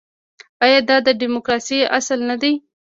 آیا دا د ډیموکراسۍ اصل نه دی؟